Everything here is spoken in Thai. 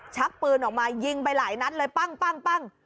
ชักปืนออกมายิงไปหลายนัดเลยปั้ง